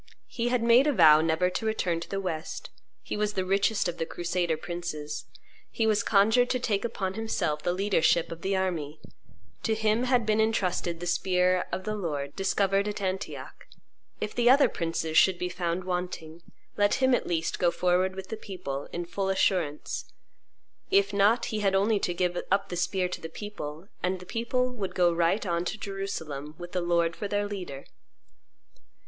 He had made a vow never to return to the West; he was the richest of the crusader princes; he was conjured to take upon himself the leadership of the army; to him had been intrusted the spear of the Lord discovered at Antioch; if the other princes should be found wanting, let him at least go forward with the people, in full assurance; if not, he had only to give up the spear to the people, and the people would go right on to Jerusalem, with the Lord for their leader.